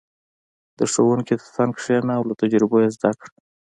• د ښوونکي تر څنګ کښېنه او له تجربو یې زده کړه.